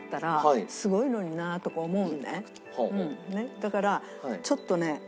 だからちょっとね